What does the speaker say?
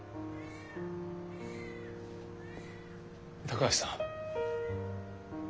高橋さん。